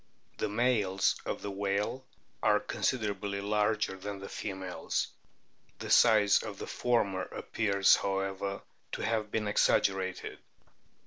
The males of the whale are considerably larger than the females. The size of the former appears, however, to have been exag gerated.